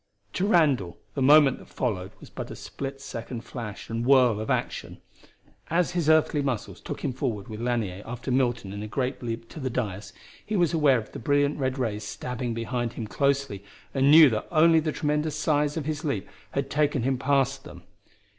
To Randall the moment that followed was but a split second flash and whirl of action. As his earthly muscles took him forward with Lanier after Milton in a great leap to the dais, he was aware of the brilliant red rays stabbing behind him closely, and knew that only the tremendous size of his leap had taken him past them.